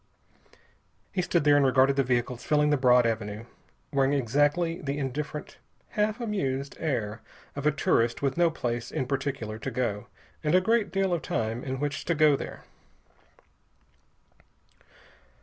He stood there and regarded the vehicles filling the broad avenue, wearing exactly the indifferent, half amused air of a tourist with no place in particular to go and a great deal of time in which to go there.